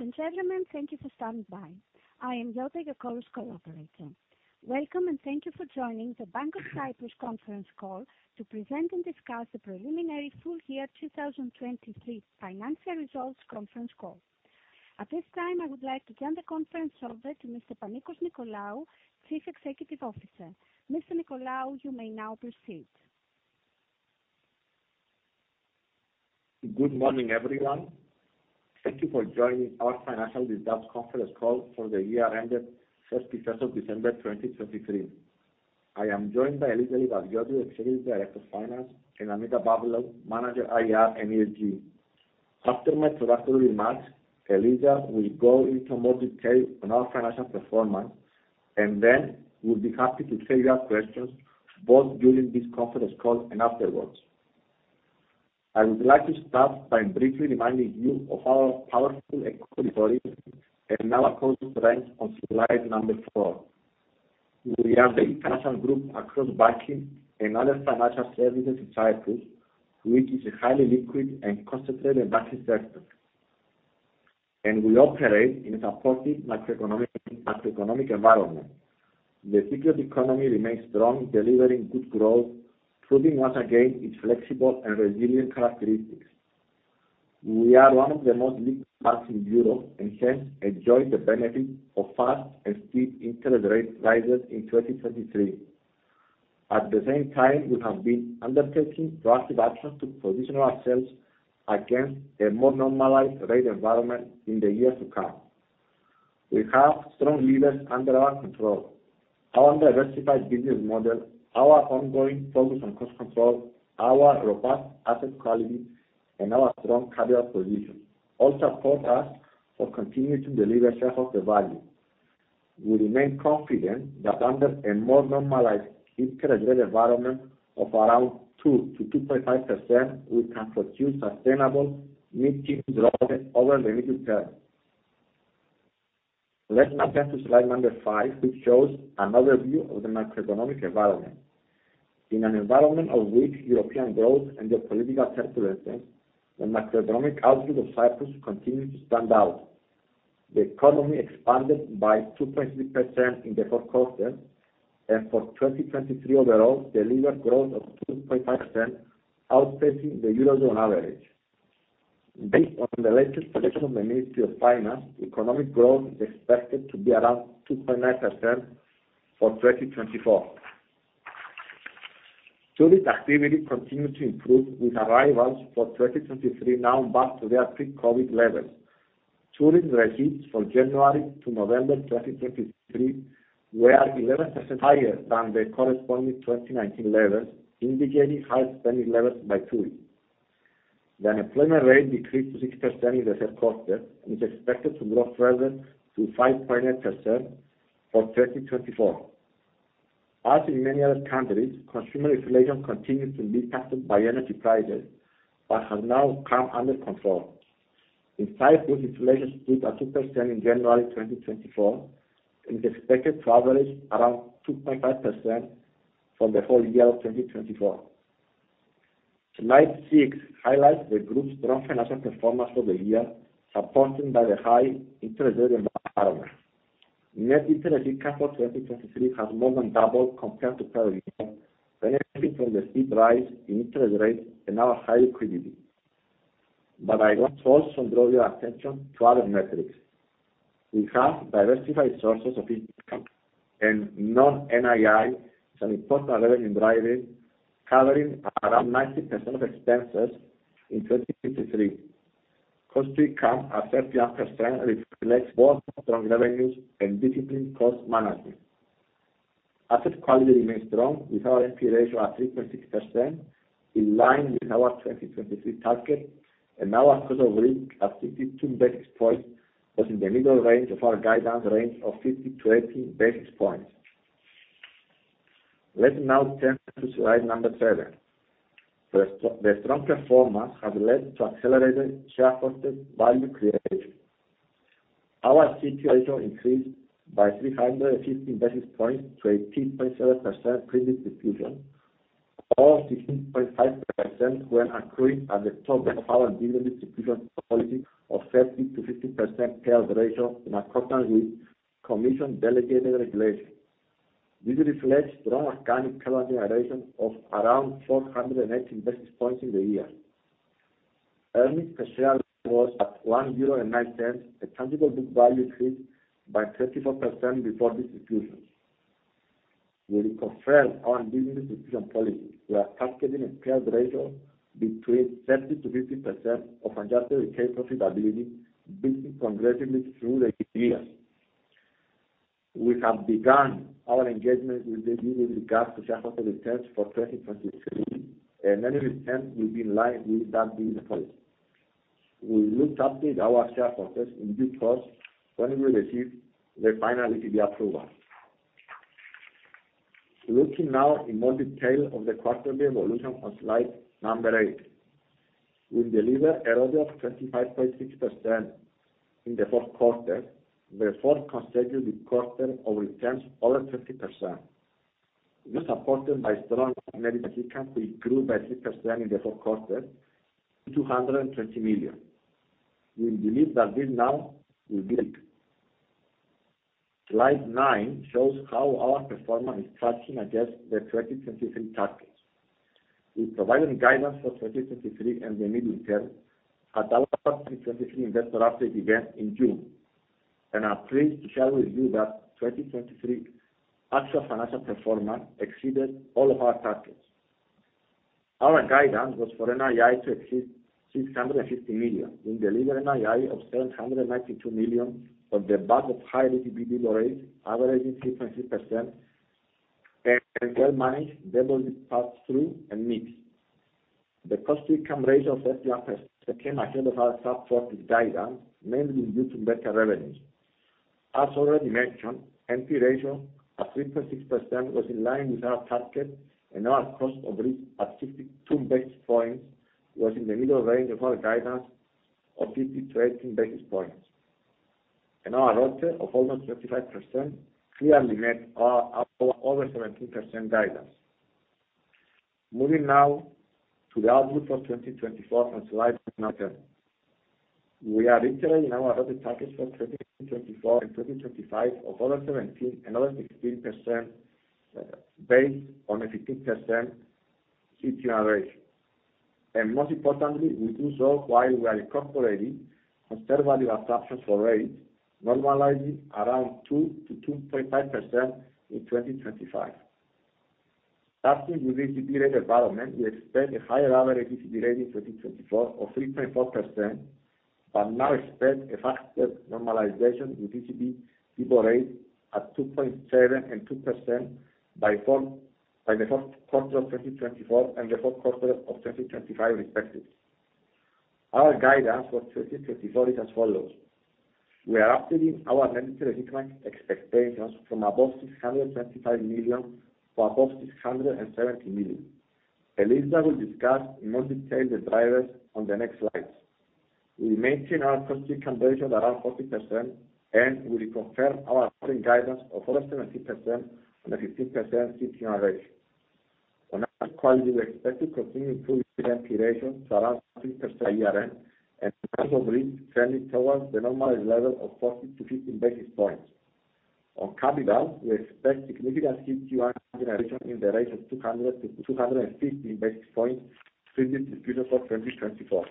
Ladies and gentlemen, thank you for standing by. I am Chorus Call operator. Welcome, and thank you for joining the Bank of Cyprus conference call to present and discuss the preliminary full year 2023 financial results conference call. At this time, I would like to turn the conference over to Mr. Panicos Nicolaou, Chief Executive Officer. Mr. Nicolaou, you may now proceed. Good morning, everyone. Thank you for joining our financial results conference call for the year ended 31 December 2023. I am joined by Eliza Livadiotou, Executive Director of Finance, and Annita Pavlou, Manager IR and ESG. After my introductory remarks, Eliza will go into more detail on our financial performance, and then we'll be happy to take your questions both during this conference call and afterwards. I would like to start by briefly reminding you of our powerful equity story and our core strengths on slide 4. We are the international group across banking and other financial services in Cyprus, which is a highly liquid and concentrated banking sector. We operate in a supportive macroeconomic environment. The Cypriot economy remains strong, delivering good growth, proving once again its flexible and resilient characteristics. We are one of the most liquid banks in Europe and hence enjoy the benefit of fast and steep interest rates rises in 2023. At the same time, we have been undertaking proactive actions to position ourselves against a more normalized rate environment in the years to come. We have strong levers under our control. Our diversified business model, our ongoing focus on cost control, our robust asset quality, and our strong capital position all support us for continuing to deliver shareholder value. We remain confident that under a more normalized interest rate environment of around 2% to 2.5%, we can produce sustainable mid-teens growth over the medium term. Let's now turn to slide number five, which shows an overview of the macroeconomic environment. In an environment of weak European growth and geopolitical turbulences, the macroeconomic outlook of Cyprus continues to stand out. The economy expanded by 2.3% in the four quarters, and for 2023 overall, delivered growth of 2.5% outpacing the Eurozone average. Based on the latest projection of the Ministry of Finance, economic growth is expected to be around 2.9% for 2024. Tourist activity continued to improve with arrivals for 2023 now back to their pre-COVID levels. Tourist receipts for January to November 2023 were 11% higher than the corresponding 2019 levels, indicating higher spending levels by two weeks. The unemployment rate decreased to 6% in the third quarter and is expected to grow further to 5.8% for 2024. As in many other countries, consumer inflation continued to be taxed by energy prices but has now come under control. In Cyprus, inflation stood at 2% in January 2024 and is expected to average around 2.5% for the whole year of 2024. Slide 6 highlights the group's strong financial performance for the year, supported by the high interest rate environment. Net interest income for 2023 has more than doubled compared to prior years, benefiting from the steep rise in interest rates and our high liquidity. But I want to also draw your attention to other metrics. We have diversified sources of income, and non-NII is an important revenue driver covering around 90% of expenses in 2023. Cost to income at 31% reflects both strong revenues and disciplined cost management. Asset quality remains strong with our NPE ratio at 3.6%, in line with our 2023 target, and our cost of risk at 62 basis points was in the middle range of our guidance range of 50-80 basis points. Let's now turn to slide number 7. The strong performance has led to accelerated shareholder value creation. Our CET1 ratio increased by 315 basis points to a 3.7% printed distribution, of 16.5% when accruing at the top of our dividend distribution policy of 30% to 50% payout ratio in accordance with Commission Delegated Regulation. This reflects strong organic capital generation of around 480 basis points in the year. Earnings per share was at 1.09 euro, a tangible book value increase by 34% before distributions. When we compare our dividend distribution policy, we are targeting a payout ratio between 30% to 50% of adjusted recap profitability, building progressively through the years. We have begun our engagement with the EU with regards to shareholder returns for 2023, and any return will be in line with that dividend policy. We look to update our shareholders in due course when we receive the final ECB approval. Looking now in more detail at the quarterly evolution on slide 8. We delivered a rate of 25.6% in the fourth quarter, the fourth consecutive quarter of returns over 20%. This is supported by strong net income, which grew by 3% in the fourth quarter to 220 million. We believe that this now will be weak. Slide 9 shows how our performance is tracking against the 2023 targets. We provided guidance for 2023 and the medium term at our 2023 investor update event in June, and I'm pleased to share with you that 2023 actual financial performance exceeded all of our targets. Our guidance was for NII to exceed 650 million; we delivered NII of 792 million on the back of high ECB delivery rates averaging 3.3%, and well-managed double pass-through and mix. The cost-to-income ratio of 31% came ahead of our sub-40 guidance, mainly due to better revenues. As already mentioned, NPE ratio at 3.6% was in line with our target, and our cost of risk at 62 basis points was in the middle range of our guidance of 50 to 18 basis points. Our ROTE of almost 25% clearly met our over 17% guidance. Moving now to the outlook for 2024 on slide number 10. We are iterating our ROTE targets for 2024 and 2025 of over 17% and over 16% based on a 15% ETR rate. Most importantly, we do so while we are incorporating conservative adaptations for rates, normalizing around 2% to 2.5% in 2025. Starting with ECB rate environment, we expect a higher average ECB rate in 2024 of 3.4%, but now expect a faster normalization with ECB deposit rate at 2.7% and 2% by the fourth quarter of 2024 and the fourth quarter of 2025 respectively. Our guidance for 2024 is as follows. We are updating our net interest income expectations from above 625 million to above 670 million. Eliza will discuss in more detail the drivers on the next slides. We maintain our cost to income ratio at around 40%, and we reconfirm our ROTE guidance of over 17% on a 15% CET1 rate. On asset quality, we expect to continue improving the NPE ratio to around 3% by year-end, and cost of risk trending towards the normalized level of 40 to 15 basis points. On capital, we expect significant CET1 generation in the range of 200 to 250 basis points payout distribution for 2024.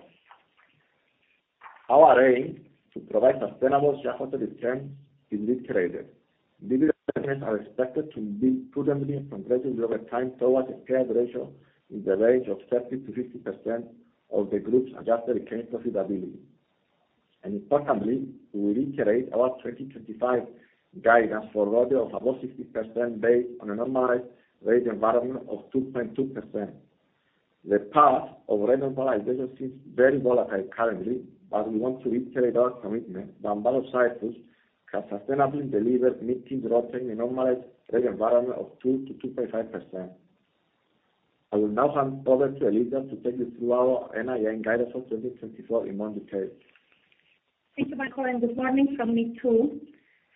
Our aim to provide sustainable shareholder returns is reiterated. Dividend revenues are expected to build prudently and progressively over time towards a payout ratio in the range of 30% to 50% of the group's adjusted recap profitability. Importantly, we reiterate our 2025 guidance for a rate of above 60% based on a normalized rate environment of 2.2%. The path of rate normalization seems very volatile currently, but we want to reiterate our commitment that Bank of Cyprus can sustainably deliver mid-teens ROTE in a normalized rate environment of 2% to 2.5%. I will now hand over to Eliza to take you through our NII guidance for 2024 in more detail. Thank you, Panicos. And good morning from me too.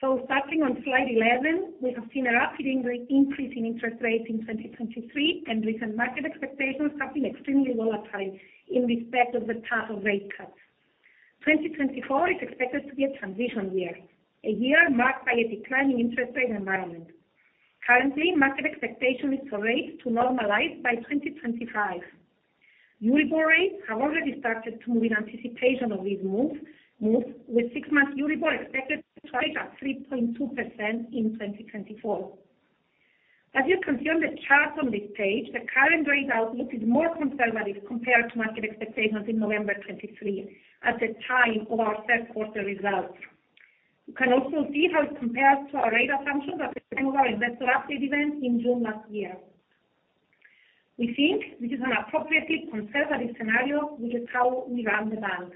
So starting on slide 11, we have seen a rapid increase in interest rates in 2023, and recent market expectations have been extremely volatile in respect of the path of rate cuts. 2024 is expected to be a transition year, a year marked by a declining interest rate environment. Currently, market expectation is for rates to normalize by 2025. Euribor rates have already started to move in anticipation of this move, with six-month Euribor expected to rate at 3.2% in 2024. As you can see on the chart on this page, the current rate outlook is more conservative compared to market expectations in November 2023 at the time of our third quarter results. You can also see how it compares to our rate assumptions at the time of our investor update event in June last year. We think this is an appropriately conservative scenario, which is how we run the bank.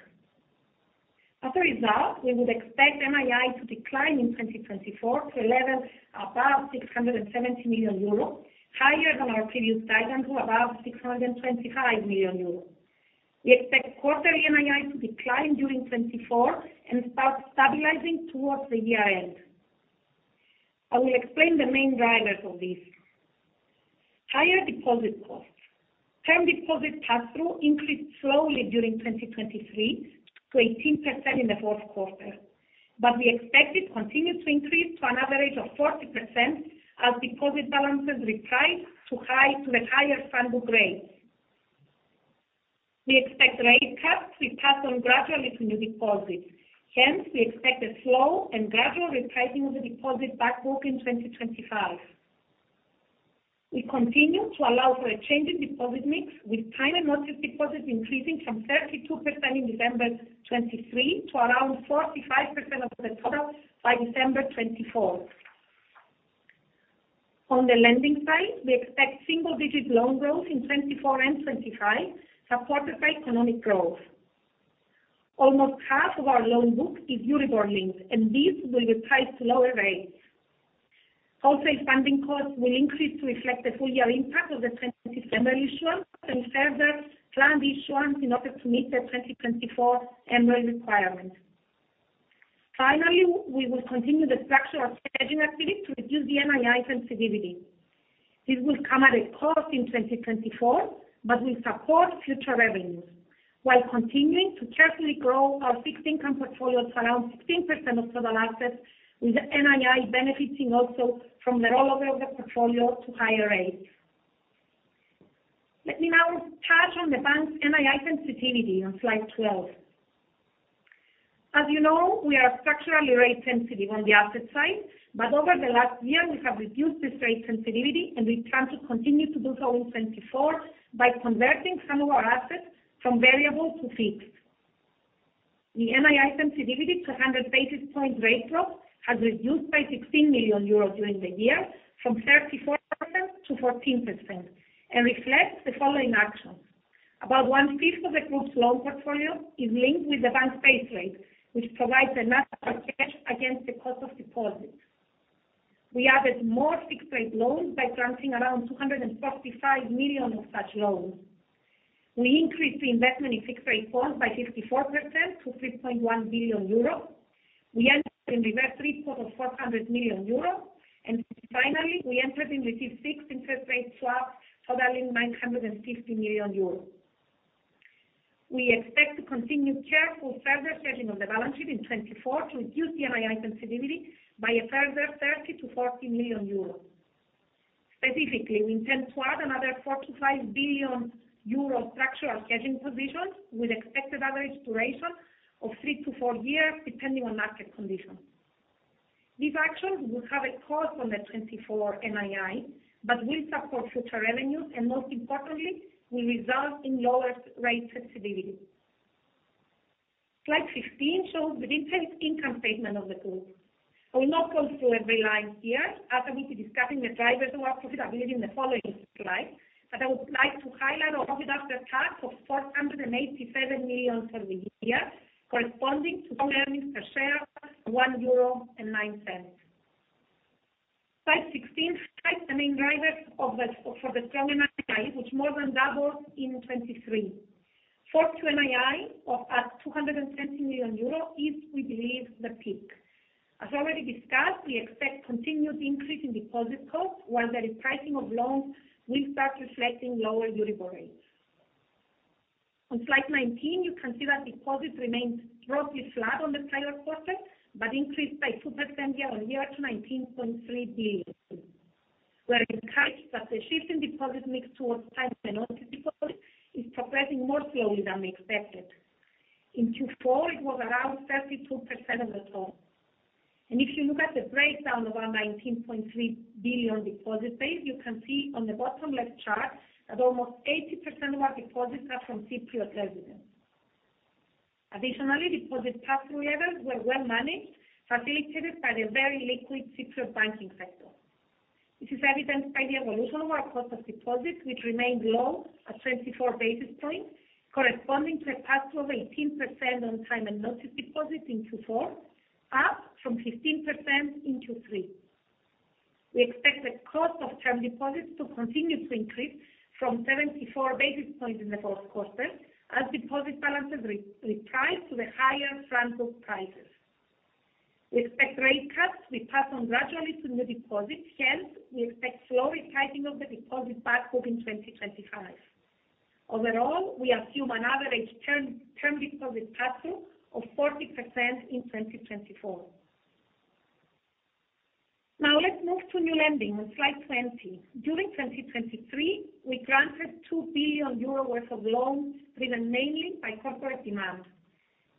As a result, we would expect NII to decline in 2024 to a level above 670 million euros, higher than our previous guidance of above 625 million euros. We expect quarterly NII to decline during 2024 and start stabilizing towards the year-end. I will explain the main drivers of this. Higher deposit costs. Term deposit pass-through increased slowly during 2023 to 18% in the fourth quarter, but we expect it to continue to increase to an average of 40% as deposit balances repriced to the higher Euribor rates. We expect rate cuts to be passed on gradually to new deposits. Hence, we expect a slow and gradual repricing of the deposit back book in 2025. We continue to allow for a changing deposit mix with time and mortgage deposits increasing from 32% in December 2023 to around 45% of the total by December 2024. On the lending side, we expect single-digit loan growth in 2024 and 2025 supported by economic growth. Almost half of our loan book is Euribor-linked, and this will reprice to lower rates. Wholesale funding costs will increase to reflect the full-year impact of the 2024 MREL issuance and further planned issuance in order to meet the 2024 MREL requirements. Finally, we will continue the structural hedging activity to reduce the NII sensitivity. This will come at a cost in 2024, but will support future revenues while continuing to carefully grow our fixed income portfolio to around 16% of total assets, with NII benefiting also from the rollover of the portfolio to higher rates. Let me now touch on the bank's NII sensitivity on slide 12. As you know, we are structurally rate sensitive on the asset side, but over the last year, we have reduced this rate sensitivity, and we plan to continue to do so in 2024 by converting some of our assets from variable to fixed. The NII sensitivity to 100 basis points rate drop has reduced by 16 million euros during the year from 34% to 14% and reflects the following actions. About one-fifth of the group's loan portfolio is linked with the bank's base rate, which provides enough cash against the cost of deposits. We added more fixed-rate loans by granting around 245 million of such loans. We increased the investment in fixed-rate funds by 54% to 3.1 billion euros. We entered in reverse repo of 400 million euros. And finally, we entered into fixed interest rate swaps totaling 950 million euros. We expect to continue careful further hedging of the balance sheet in 2024 to reduce the NII sensitivity by a further 30 million euros to 40 million euros. Specifically, we intend to add another 4 billion euros to 5 billion euro structural hedging positions with expected average duration of three to four years depending on market conditions. These actions will have a cost on the 2024 NII, but will support future revenues and, most importantly, will result in lower rate sensitivity. Slide 15 shows the income statement of the group. I will not go through every line here as I will be discussing the drivers of our profitability in the following slides, but I would like to highlight our pre-tax profit of 487 million for the year, corresponding to earnings per share of 1.09 euro. Slide 16 highlights the main drivers for the strong NII, which more than doubled in 2023. Forecast NII at 220 million euro is, we believe, the peak. As already discussed, we expect continued increase in deposit costs while the repricing of loans will start reflecting lower Euribor rates. On slide 19, you can see that deposits remained roughly flat on the prior quarter but increased by 2% year-on-year to 19.3 billion. We're encouraged that the shift in deposit mix towards time and mortgage deposits is progressing more slowly than we expected. In Q4, it was around 32% of the total. And if you look at the breakdown of our 19.3 billion deposit base, you can see on the bottom left chart that almost 80% of our deposits are from Cyprus residents. Additionally, deposit pass-through levels were well-managed, facilitated by the very liquid CPR banking sector. This is evident by the evolution of our cost of deposits, which remained low at 24 basis points, corresponding to a pass-through of 18% on time and mortgage deposits in Q4, up from 15% in Q3. We expect the cost of term deposits to continue to increase from 74 basis points in the fourth quarter as deposit balances reprice to the higher front-book prices. We expect rate cuts to be passed on gradually to new deposits. Hence, we expect slow repricing of the deposit back book in 2025. Overall, we assume an average term deposit pass-through of 40% in 2024. Now, let's move to new lending on slide 20. During 2023, we granted 2 billion euro worth of loans driven mainly by corporate demand.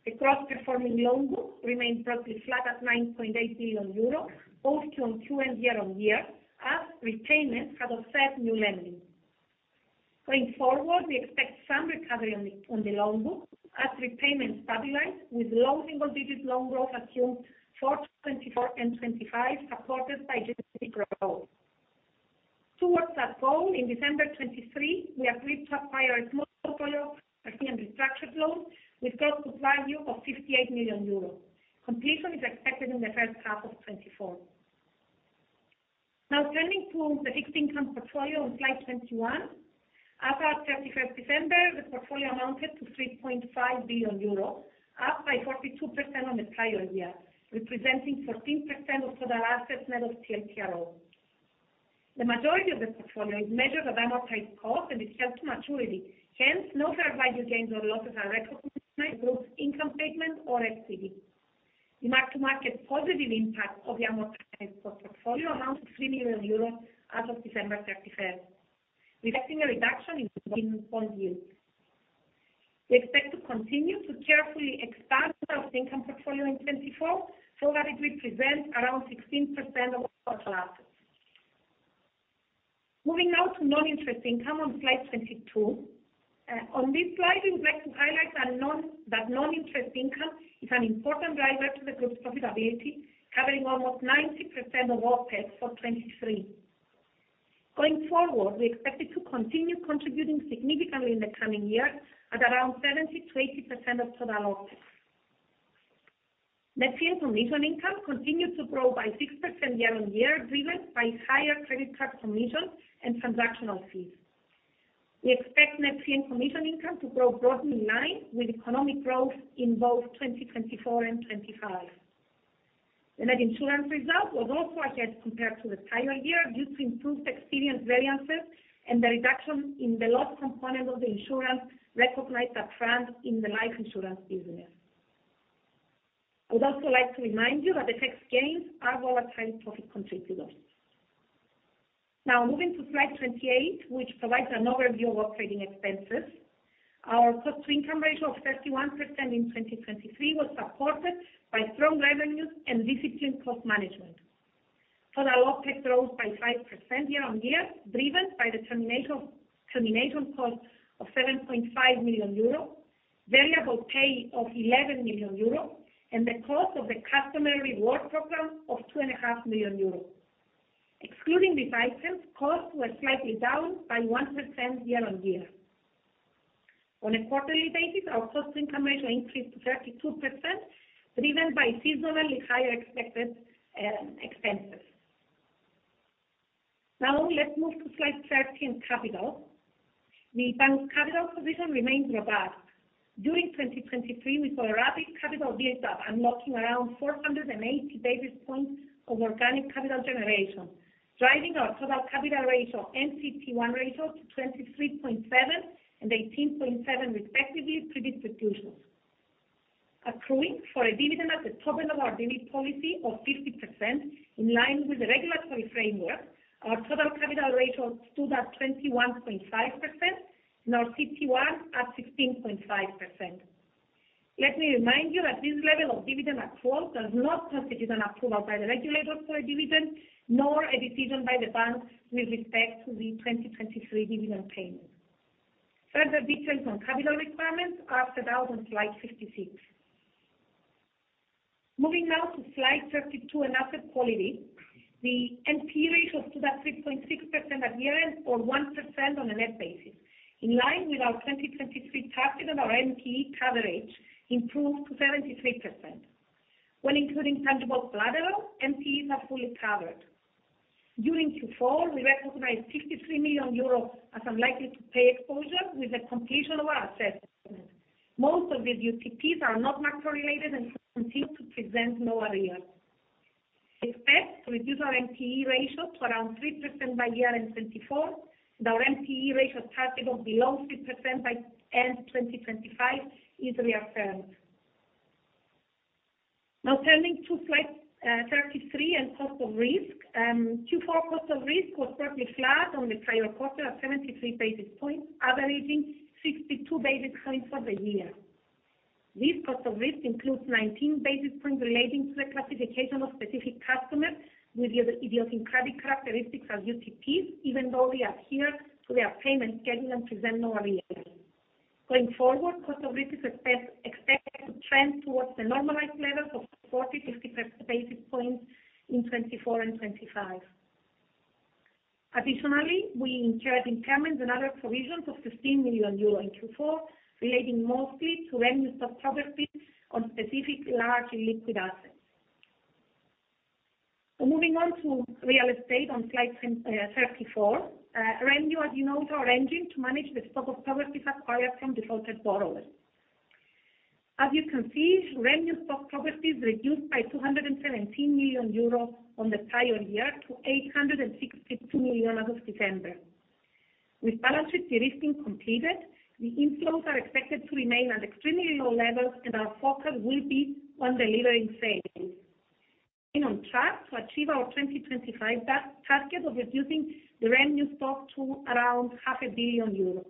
The cross-performing loan book remained broadly flat at 9.8 billion euro, both Q-on-Q and year-on-year, as repayments had offset new lending. Going forward, we expect some recovery on the loan book as repayments stabilize, with low single-digit loan growth assumed for 2024 and 2025 supported by generic growth. Towards that goal, in December 2023, we agreed to acquire a small portfolio of 300 structured loans with cross-book value of 58 million euros. Completion is expected in the first half of 2024. Now, turning to the fixed income portfolio on slide 21. As of 31st December, the portfolio amounted to 3.5 billion euros, up by 42% on the prior year, representing 14% of total assets net of TLTRO. The majority of the portfolio is measured at amortized cost and is held to maturity. Hence, no fair value gains or losses are recognized in the group's income statement or equity. The mark-to-market positive impact of the amortized cost portfolio amounted to 3 million euros as of December 31st, reflecting a reduction in 14-point yield. We expect to continue to carefully expand our fixed income portfolio in 2024 so that it represents around 16% of our total assets. Moving now to non-interest income on slide 22. On this slide, we would like to highlight that non-interest income is an important driver to the group's profitability, covering almost 90% of OPEX for 2023. Going forward, we expect it to continue contributing significantly in the coming years at around 70%-80% of total OPEX. Net fee and commission income continue to grow by 6% year-on-year, driven by higher credit card commissions and transactional fees. We expect net fee and commission income to grow broadly in line with economic growth in both 2024 and 2025. The net insurance result was also ahead compared to the prior year due to improved experience variances and the reduction in the loss component of the insurance recognized upfront in the life insurance business. I would also like to remind you that the FX gains are volatile profit contributors. Now, moving to slide 28, which provides an overview of operating expenses. Our cost-to-income ratio of 31% in 2023 was supported by strong revenues and disciplined cost management. Total OPEX rose by 5% year-on-year, driven by the termination cost of 7.5 million euro, variable pay of 11 million euro, and the cost of the customer reward program of 2.5 million euro. Excluding these items, costs were slightly down by 1% year-on-year. On a quarterly basis, our cost-to-income ratio increased to 32%, driven by seasonally higher expected expenses. Now, let's move to slide 30 and capital. The bank's capital position remains robust. During 2023, we saw a rapid capital buildup, unlocking around 480 basis points of organic capital generation, driving our total capital ratio and CET1 ratio to 23.7 and 18.7, respectively, pre-distributions. Accruing for a dividend at the top end of our dividend policy of 50%, in line with the regulatory framework, our total capital ratio stood at 21.5% and our CET1 at 16.5%. Let me remind you that this level of dividend accrual does not constitute an approval by the regulators for a dividend nor a decision by the bank with respect to the 2023 dividend payment. Further details on capital requirements are set out on slide 56. Moving now to slide 32 and asset quality. The NPE ratio stood at 3.6% at year-end or 1% on a net basis, in line with our 2023 target and our NPE coverage improved to 73%. When including tangible collateral, NPEs are fully covered. During Q4, we recognized 53 million euros as unlikely to pay exposure with the completion of our assessment. Most of these UTPs are not macro-related and continue to present no arrears. We expect to reduce our NPE ratio to around 3% by year-end 2024, and our NPE ratio target of below 3% by end 2025 is reaffirmed. Now, turning to slide 33 and cost of risk. Q4 cost of risk was broadly flat on the prior quarter at 73 basis points, averaging 62 basis points for the year. This cost of risk includes 19 basis points relating to the classification of specific customers with idiosyncratic credit characteristics as UTPs, even though they adhere to their payment schedule and present no arrears. Going forward, cost of risk is expected to trend towards the normalized levels of 40 to 50 basis points in 2024 and 2025. Additionally, we incurred impairments and other provisions of 15 million euro in Q4, relating mostly to REMU on specific large liquid assets. So moving on to real estate on slide 34. REMU, as you know, is our engine to manage the stock of properties acquired from defaulted borrowers. As you can see, REMU reduced by 217 million euro on the prior year to 862 million as of December. With balance sheet derisking completed, the inflows are expected to remain at extremely low levels, and our focus will be on delivering sales. Staying on track to achieve our 2025 target of reducing the REMU to around 500 million euros.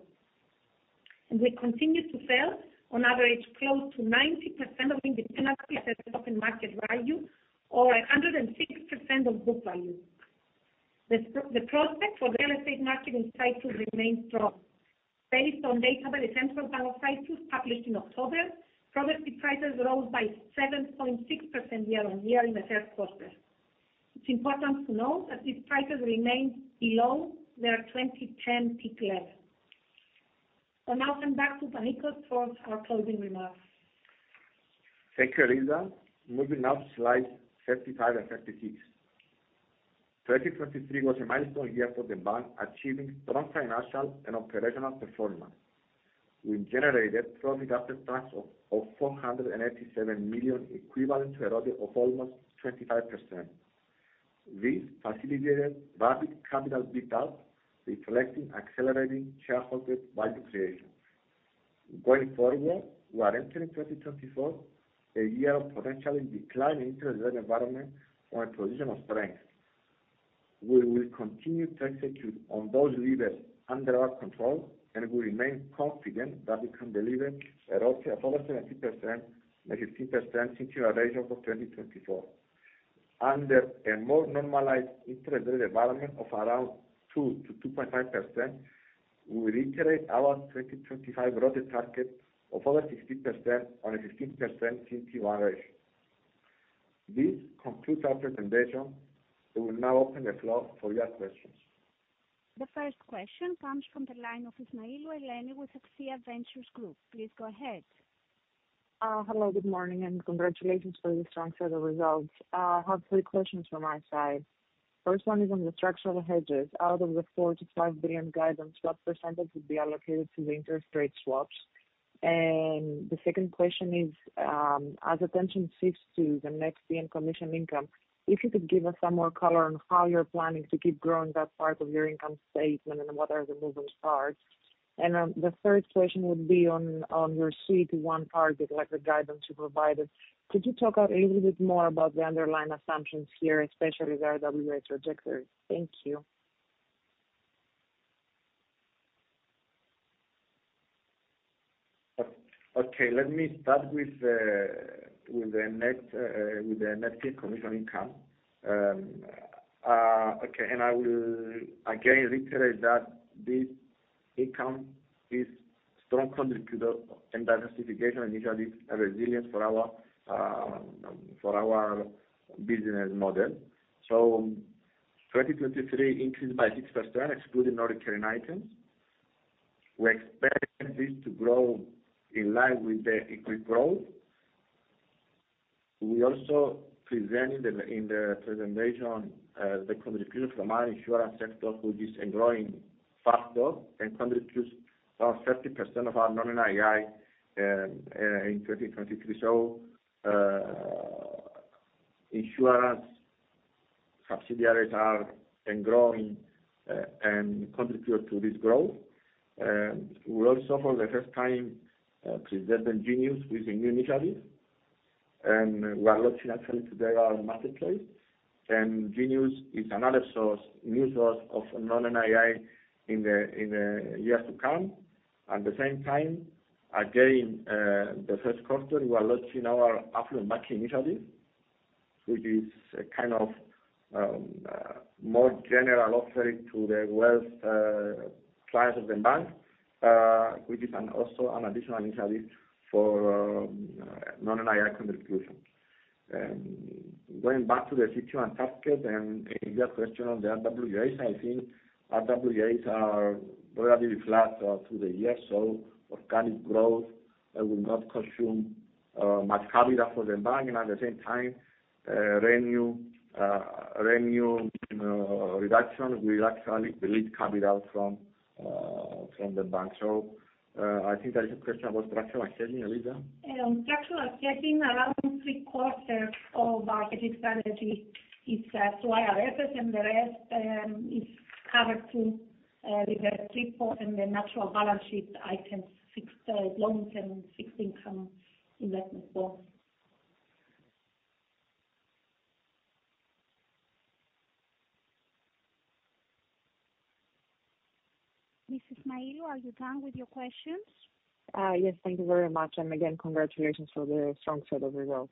We continue to sell on average close to 90% of independent assets of open market value or 106% of book value. The prospect for real estate market in Cyprus remains strong. Based on data by the Central Bank of Cyprus published in October, property prices rose by 7.6% year-on-year in the first quarter. It's important to note that these prices remain below their 2010 peak level. So now, hand back to Panicos for our closing remarks. Thank you, Eliza. Moving now to slides 35 and 36. 2023 was a milestone year for the bank achieving strong financial and operational performance. We generated profit after tax of 487 million equivalent to a ROTE of almost 25%. This facilitated rapid capital buildup, reflecting accelerating shareholder value creation. Going forward, we are entering 2024, a year of potentially declining interest rate environment on a position of strength. We will continue to execute on those levers under our control, and we remain confident that we can deliver a ROTE of over 17%, maybe 15%, since the ratio for 2024. Under a more normalized interest rate environment of around 2% to 2.5%, we reiterate our 2025 ROTE target of over 16% on a 15% CT1 ratio. This concludes our presentation. I will now open the floor for your questions. The first question comes from the line of Sevkinaz Ismail with Axia Ventures Group. Please go ahead. Hello. Good morning. And congratulations for the strong set of results. I have three questions from my side. First one is on the structural hedges. Out of the 4 billion to 5 billion guidance, what percentage would be allocated to the interest rate swaps? And the second question is, as attention shifts to the net fee and commission income, if you could give us some more color on how you're planning to keep growing that part of your income statement and what are the moving parts. And the third question would be on your CET1 target, like the guidance you provided. Could you talk a little bit more about the underlying assumptions here, especially the RWA trajectory? Thank you. Okay. Let me start with the net fee and commission income. Okay. And I will, again, reiterate that this income is strong contributor in diversification initiatives and resilience for our business model. So 2023 increased by 6%, excluding non-recurring items. We expect this to grow in line with the equity growth. We also present in the presentation the contribution from our insurance sector, which is growing fast up and contributes around 30% of our non-NII in 2023. So insurance subsidiaries are growing and contribute to this growth. We also, for the first time, presented Jinius with a new initiative. And we are launching, actually, today our marketplace. And Jinius is another new source of non-NII in the years to come. At the same time, again, the first quarter, we are launching our affluent banking initiative, which is kind of more general offering to the wealth clients of the bank, which is also an additional initiative for non-NII contribution. Going back to the CET1 target and your question on the RWAs, I think RWAs are relatively flat through the year. So organic growth will not consume much capital for the bank. And at the same time, revenue reduction will actually delete capital from the bank. So I think that is your question about structural hedging, Eliza. Structural hedging, around three-quarters of our hedging strategy is through IRFs, and the rest is covered through the three-quarters in the natural balance sheet items, fixed loans, and fixed income investments. Ms. Ismail, are you done with your questions? Yes. Thank you very much. And again, congratulations for the strong set of results.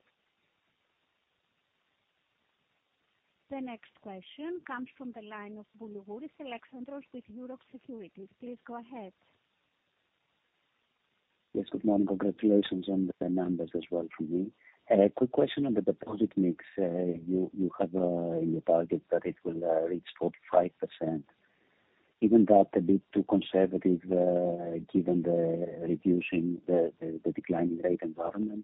The next question comes from the line of Alexandros Boulougouris with Euroxx Securities. Please go ahead. Yes. Good morning. Congratulations. The numbers as well from me. Quick question on the deposit mix. You have in your targets that it will reach 45%. Even that, a bit too conservative given the declining rate environment.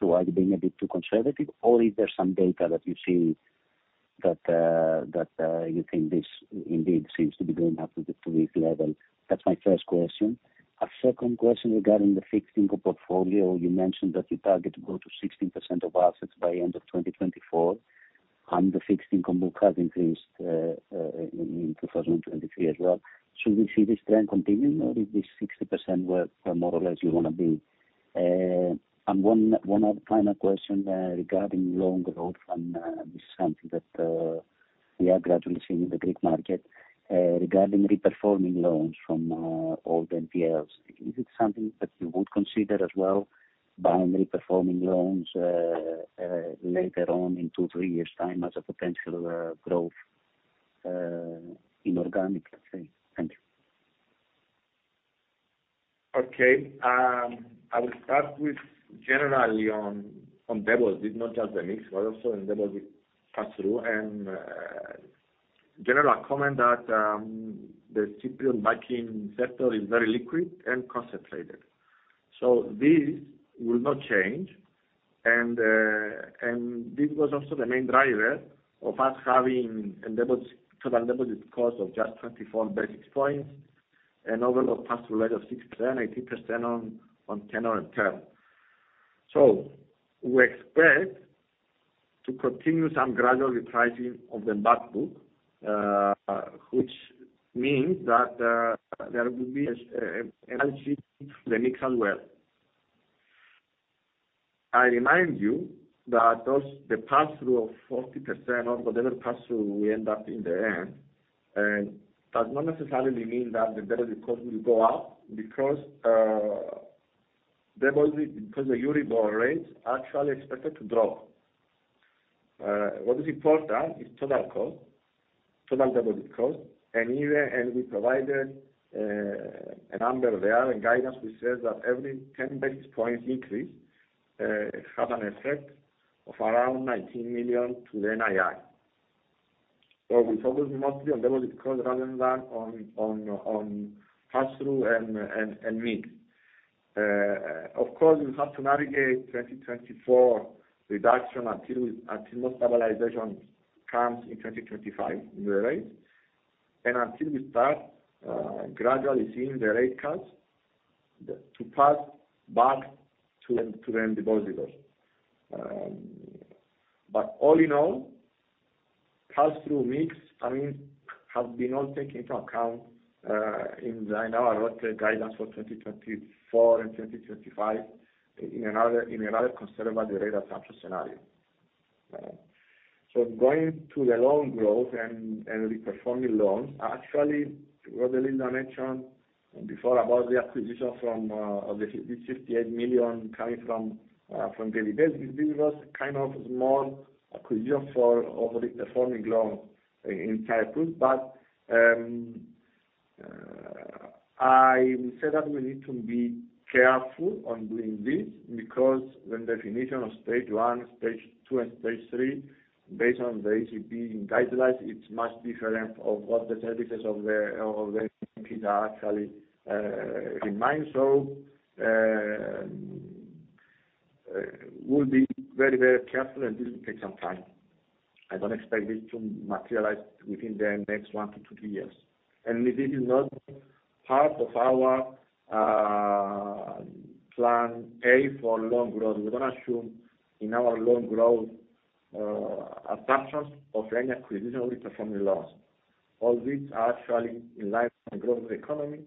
So are you being a bit too conservative, or is there some data that you see that you think this indeed seems to be going up to this level? That's my first question. A second question regarding the fixed income portfolio. You mentioned that you target to go to 16% of assets by end of 2024, and the fixed income book has increased in 2023 as well. Should we see this trend continuing, or is this 60% where more or less you want to be? And one final question regarding loan growth, and this is something that we are gradually seeing in the Greek market, regarding reperforming loans from old NPLs. Is it something that you would consider as well, buying reperforming loans later on in 2, 3 years' time as a potential growth in organic, let's say? Thank you. Okay. I will start with general on deposits, not just the mix, but also on deposits pass-through. General comment that the Cypriot banking sector is very liquid and concentrated. This will not change. This was also the main driver of us having total deposit cost of just 24 basis points and overall pass-through rate of 6%, 18% on tenor and term. We expect to continue some gradual repricing of the backbook, which means that there will be an increase through the mix as well. I remind you that the pass-through of 40% or whatever pass-through we end up in the end does not necessarily mean that the deposit cost will go up because the Euribor rate is actually expected to drop. What is important is total cost, total deposit cost. We provided a number there and guidance which says that every 10 basis points increase has an effect of around 19 million to the NII. So we focus mostly on deposit cost rather than on pass-through and mix. Of course, we'll have to navigate 2024 reduction until more stabilization comes in 2025 in the rates. And until we start gradually seeing the rate cuts to pass back to the end depositors. But all in all, pass-through mix, I mean, has been all taken into account in our ROTE guidance for 2024 and 2025 in a rather conservative rate assumption scenario. So going to the loan growth and reperforming loans, actually, what Eliza mentioned before about the acquisition of the 58 million coming from doValue, this was kind of more acquisition for over-reperforming loans in Cyprus. But I will say that we need to be careful on doing this because the definition of stage one, stage two, and stage three, based on the ECB guidelines, it's much different of what the services of the NPs are actually in mind. So we'll be very, very careful, and this will take some time. I don't expect this to materialize within the next one to two years. And this is not part of our plan A for loan growth. We don't assume in our loan growth assumptions of any acquisition or reperforming loans. All these are actually in line with the growth of the economy.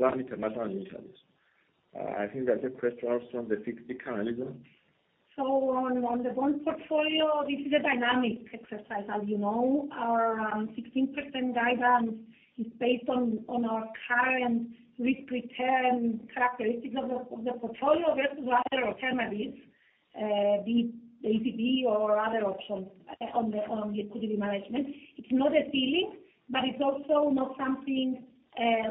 Plan international initiatives. I think that's your question also on the fixed income, Eliza. So on the bond portfolio, this is a dynamic exercise. As you know, our 16% guidance is based on our current risk-return characteristics of the portfolio versus other alternatives, be it the ECB or other options on liquidity management. It's not a ceiling, but it's also not something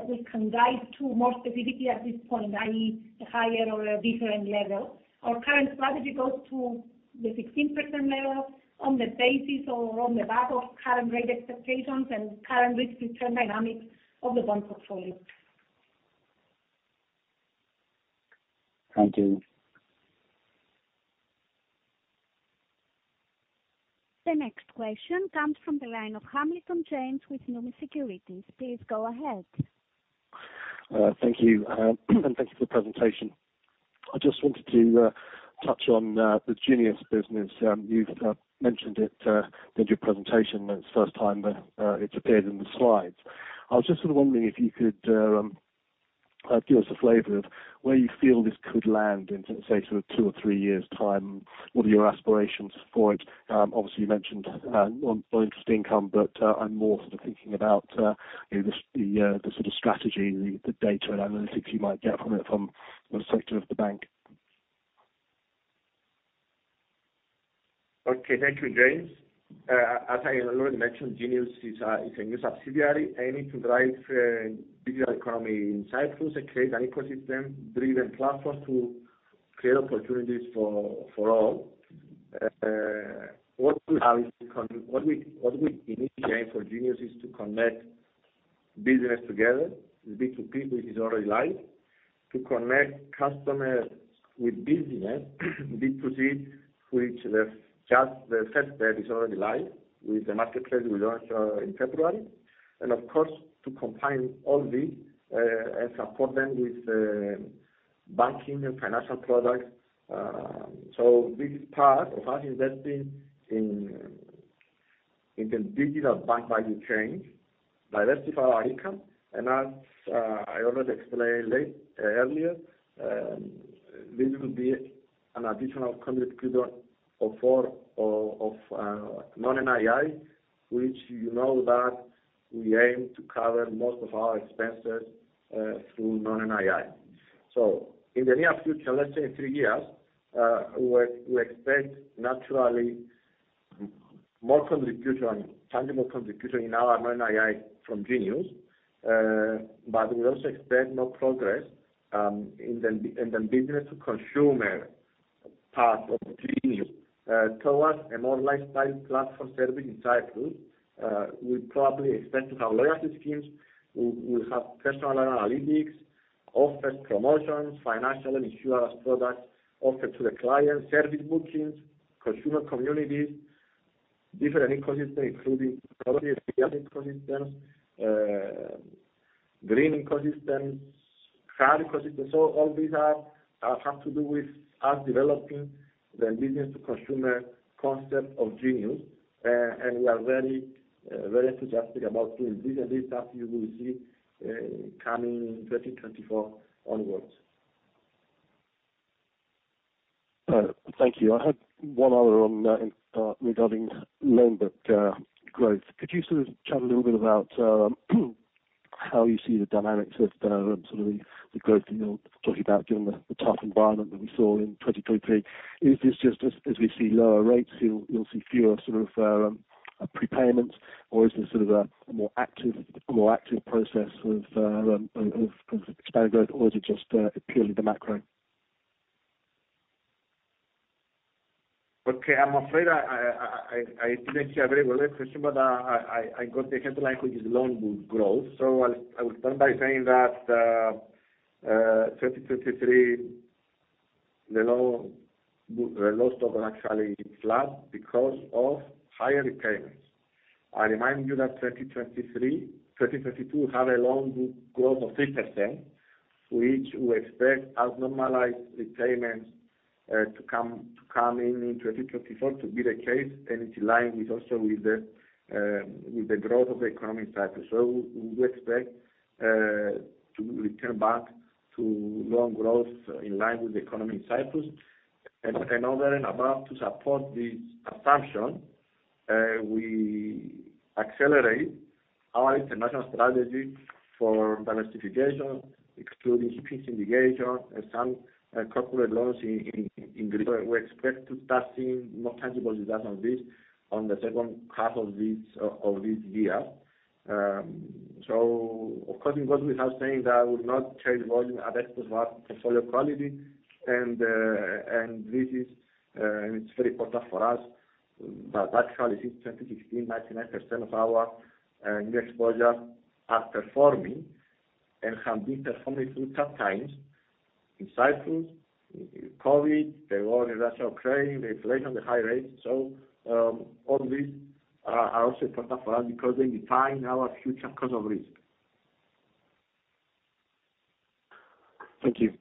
we can guide to more specifically at this point, i.e., a higher or a different level. Our current strategy goes to the 16% level on the basis or on the back of current rate expectations and current risk-return dynamics of the bond portfolio. Thank you. The next question comes from the line of James Hamilton with Numis Securities. Please go ahead. Thank you. And thank you for the presentation. I just wanted to touch on the Jinius business. You've mentioned it in your presentation. It's the first time it's appeared in the slides. I was just sort of wondering if you could give us a flavor of where you feel this could land in, say, sort of two or three years' time. What are your aspirations for it? Obviously, you mentioned more interest income, but I'm more sort of thinking about the sort of strategy, the data, and analytics you might get from it from the sector of the bank. Okay. Thank you, James. As I already mentioned, Jinius is a new subsidiary aiming to drive the digital economy in Cyprus, create an ecosystem-driven platform to create opportunities for all. What we have is what we initiated for Jinius is to connect business together, B2B, which is already live, to connect customer with business, B2C, which just the first step is already live with the marketplace we launched in February. Of course, to combine all this and support them with banking and financial products. So this is part of us investing in the digital bank value chain, diversify our income. And as I already explained earlier, this will be an additional contributor of non-NII, which you know that we aim to cover most of our expenses through non-NII. So in the near future, let's say in three years, we expect naturally more tangible contributor in our non-NII from Jinius. But we also expect more progress in the business-to-consumer part of Jinius towards a more lifestyle platform service in Cyprus. We probably expect to have loyalty schemes. We'll have personal analytics, offers, promotions, financial and insurance products offered to the client, service bookings, consumer communities, different ecosystems including productive ecosystems, green ecosystems, crowd ecosystems. So all these have to do with us developing the business-to-consumer concept of Jinius. We are very enthusiastic about doing this. This is something you will see coming in 2024 onwards. Thank you. I had one other regarding loan book growth. Could you sort of chat a little bit about how you see the dynamics of sort of the growth that you're talking about given the tough environment that we saw in 2023? Is this just as we see lower rates, you'll see fewer sort of prepayments, or is this sort of a more active process of expanding growth, or is it just purely the macro? Okay. I'm afraid I didn't hear very well your question, but I got the headline, which is loan book growth. I will start by saying that 2023, the loan stock was actually flat because of higher repayments. I remind you that 2022 had a loan book growth of 3%, which we expect abnormalize repayments to come in in 2024 to be the case. It's in line also with the growth of the economy in Cyprus. We do expect to return back to loan growth in line with the economy in Cyprus. Over and above to support this assumption, we accelerate our international strategy for diversification, including shipping syndication and some corporate loans in. We expect to start seeing more tangible results on this on the second half of this year. Of course, it goes without saying that I will not change volume at exposure of our portfolio quality. This is, and it's very important for us that actually, since 2016, 99% of our new exposures are performing and have been performing through tough times in Cyprus, COVID, the war in Russia, Ukraine, the inflation, the high rates. So all these are also important for us because they define our future cost of risk. Thank you.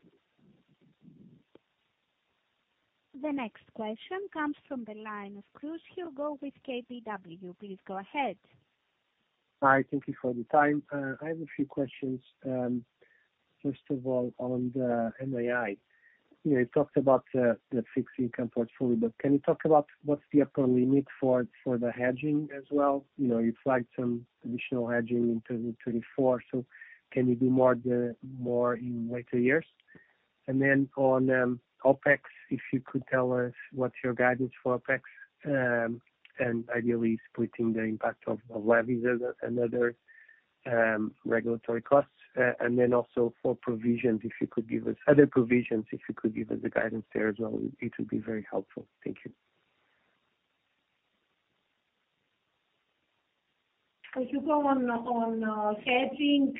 The next question comes from the line of Hugo Cruz with KBW. Please go ahead. Hi. Thank you for the time. I have a few questions, first of all, on the NII. You talked about the fixed income portfolio, but can you talk about what's the upper limit for the hedging as well? You flagged some additional hedging in 2024. So can you do more in later years? And then on OpEx, if you could tell us what's your guidance for OpEx and ideally splitting the impact of levies and other regulatory costs. And then also for provisions, if you could give us other provisions, if you could give us a guidance there as well, it would be very helpful. Thank you. If you go on hedging,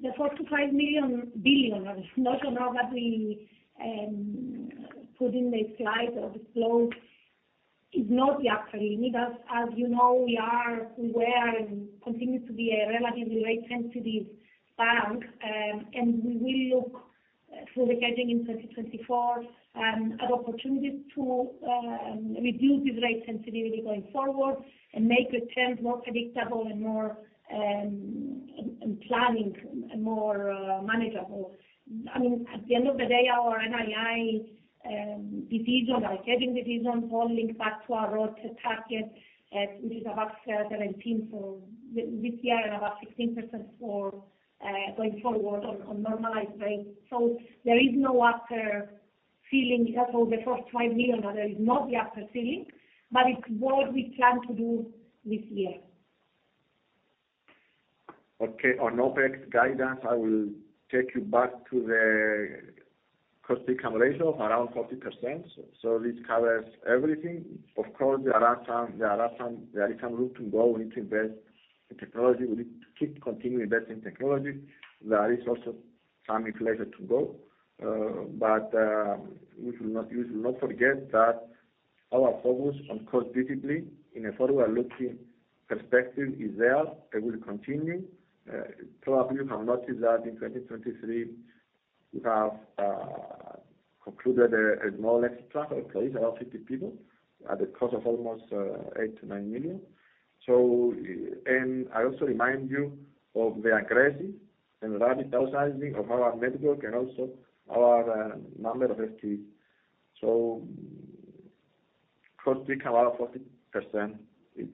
the 4 to 5 billion but not so now that we put in the slide or disclose, is not the upper limit. As you know, we were and continue to be a relatively rate-sensitive bank. And we will look through the hedging in 2024 at opportunities to reduce this rate sensitivity going forward and make returns more predictable and planning more manageable. I mean, at the end of the day, our NII decision, our hedging decision, all link back to our ROI target, which is about 17% for this year and about 16% going forward on normalized rates. So there is no upper ceiling. So the 45 million or there is not the upper ceiling, but it's what we plan to do this year. Okay. On OPEX guidance, I will take you back to the cost-to-income of around 40%. So this covers everything. Of course, there is some room to grow. We need to invest in technology. We need to keep continuing investing in technology. There is also some inflation to go. But we will not forget that our focus on cost visibly in a forward-looking perspective is there. It will continue. Probably, you have noticed that in 2023, we have concluded a small exit class of employees, about 50 people, at the cost of almost 8 million to 9 million. And I also remind you of the aggressive and rapid outsizing of our network and also our number of FTs. So cost-to-income, about 40%, is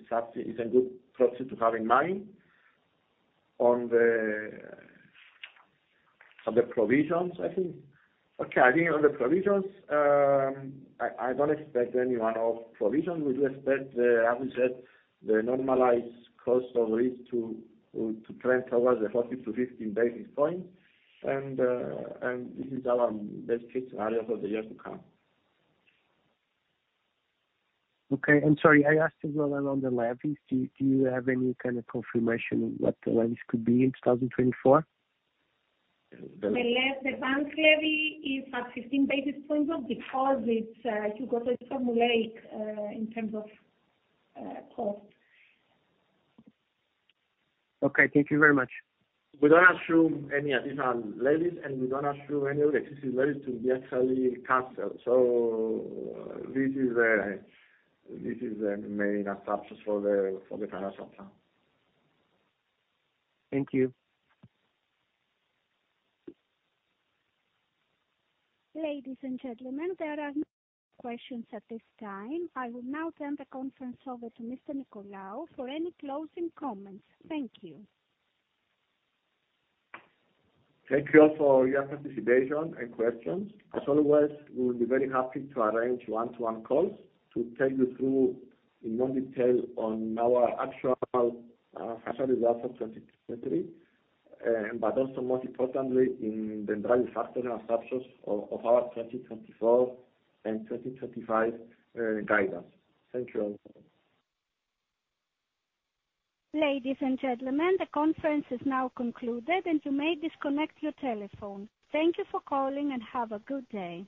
a good proxy to have in mind on the provisions, I think. Okay. I think on the provisions, I don't expect any one-off provisions. We do expect, as we said, the normalized cost of risk to trend towards the 40 to 15 basis points. And this is our best-case scenario for the years to come. Okay. And sorry, I asked as well around the levies. Do you have any kind of confirmation what the levies could be in 2024? The. The bank levy is at 15 basis points because you go to a formulaic in terms of cost. Okay. Thank you very much. We don't assume any additional levies, and we don't assume any of the excessive levies to be actually canceled. So this is the main assumptions for the financial plan. Thank you. Ladies and gentlemen, there are no questions at this time. I will now turn the conference over to Mr. Nicolaou for any closing comments. Thank you. Thank you all for your participation and questions. As always, we will be very happy to arrange one-to-one calls to take you through in more detail on our actual financial results of 2023, but also most importantly, in the driving factors and assumptions of our 2024 and 2025 guidance. Thank you all. Ladies and gentlemen, the conference is now concluded, and you may disconnect your telephone. Thank you for calling, and have a good day.